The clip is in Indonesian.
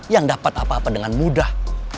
yang dapat apa apa dengan mudah